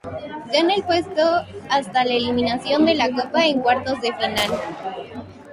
Gana el puesto hasta la eliminación de la copa en cuartos de final.